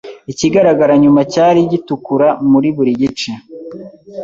Ikigaragara inyuma cyari gitukura muri buri gice